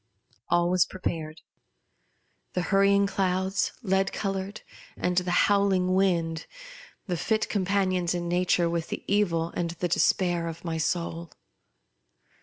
All was prepared ; the hurrying clouds, lead coloured, and the howling wind, the fit com panions in nature with the evil and the despair of my soul.